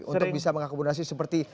untuk bisa mengakomodasi seperti